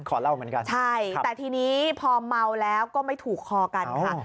ขอเล่าเหมือนกันใช่แต่ทีนี้พอเมาแล้วก็ไม่ถูกคอกันค่ะ